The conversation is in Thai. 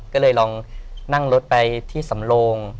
ก็เลยลองนั่งรถไปที่สำโลง